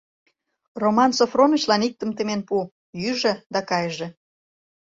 — Роман Софронычлан иктым темен пу, йӱжӧ да кайыже.